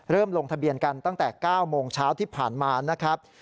ลงทะเบียนกันตั้งแต่๙โมงเช้าที่ผ่านมานะครับ